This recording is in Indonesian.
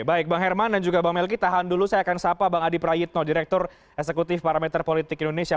biar kita lihatkan apa titik tengah